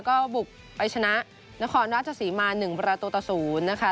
ก็บุกไปชนะนครราชศรีมา๑ประตูต่อ๐นะคะ